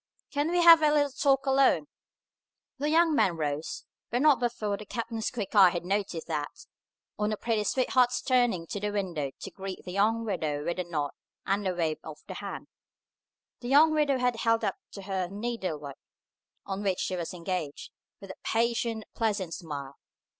Can we have a little talk alone?" The young man rose; but not before the captain's quick eye had noticed that, on the pretty sweetheart's turning to the window to greet the young widow with a nod and a wave of the hand, the young widow had held up to her the needlework on which she was engaged, with a patient and pleasant smile.